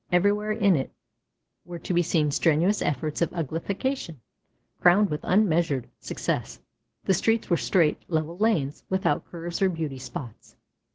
Everywhere in it, were to be seen strenuous efforts at uglification, crowned with unmeasured success. The streets were straight level lanes without curves or beauty spots.